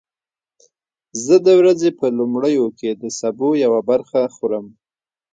زه د ورځې په لومړیو کې د سبو یوه برخه خورم.